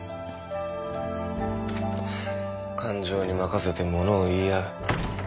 感情に任せてものを言い合う。